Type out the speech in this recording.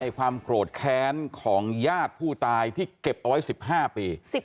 ความโกรธแค้นของญาติผู้ตายที่เก็บเอาไว้๑๕ปี